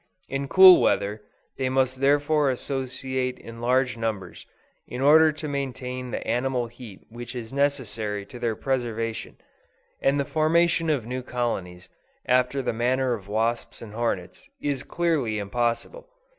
In cool weather, they must therefore associate in large numbers, in order to maintain the animal heat which is necessary to their preservation; and the formation of new colonies, after the manner of wasps and hornets, is clearly impossible.